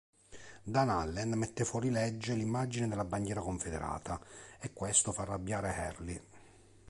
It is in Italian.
Dan Halen mette fuori legge l'immagine della bandiera confederata e questo fa arrabbiare Early.